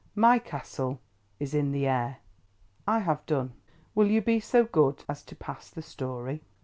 My Castle is in the Air! I have done. Will you be so good as to pass the story?"